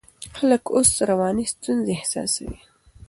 خلک اوس رواني ستونزې احساسوي.